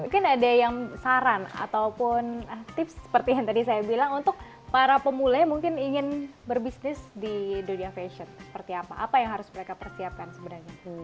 mungkin ada yang saran ataupun tips seperti yang tadi saya bilang untuk para pemula yang mungkin ingin berbisnis di dunia fashion seperti apa apa yang harus mereka persiapkan sebenarnya